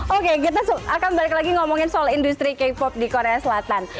oke kita akan balik lagi ngomongin soal industri k pop di korea selatan